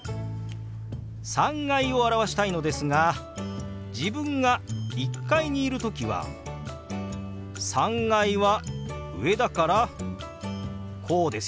「３階」を表したいのですが自分が１階にいる時は３階は上だからこうですよね。